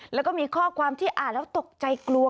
แล้วก็มีข้อความที่อ่านแล้วตกใจกลัว